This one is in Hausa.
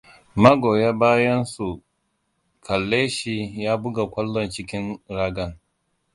Magoyan bayan su kalle shi ya buga kwallon cikin ragan.